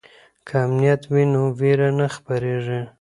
که امنیت وي نو ویره نه خپریږي.